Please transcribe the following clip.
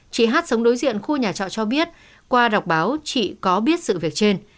chị hát sống đối diện khu nhà trọ cho biết qua đọc báo chị có biết sự việc trên